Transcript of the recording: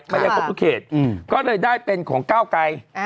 ไม่ได้ครบทุกเขตก็เลยได้เป็นของก้าวไกร